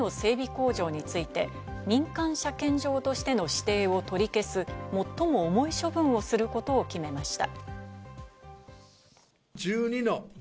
工場について、民間車検場としての指定を取り消す、最も重い処分をすることを決めました。